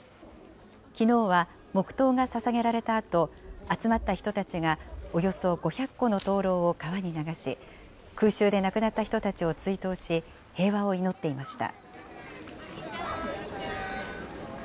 きのうは黙とうがささげられたあと、集まった人たちが、およそ５００個の灯籠を川に流し、空襲で亡くなった人たちを追悼し、平和を祈っていました。